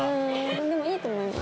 でもいいと思います。